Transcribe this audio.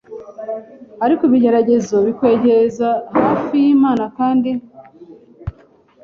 ariko ibigeragezo bikwegeza hafi y’Imana kandi